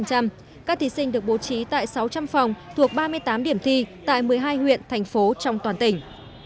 các thí sinh được bố trí tại sáu trăm linh phòng thuộc ba mươi tám điểm thi tại một mươi hai huyện thành phố trong toàn tỉnh